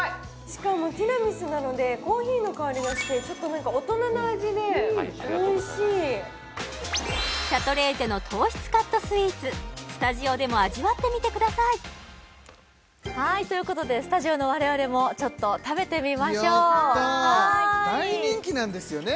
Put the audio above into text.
しかもティラミスなのでコーヒーの香りがしてちょっと大人の味でおいしいありがとうございますシャトレーゼの糖質カットスイーツスタジオでも味わってみてくださいということでスタジオの我々もちょっと食べてみましょうやった大人気なんですよね